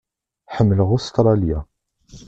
Ḥemmleɣ Ustṛalya.